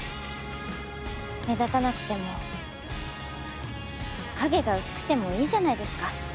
目立たなくても影が薄くてもいいじゃないですか。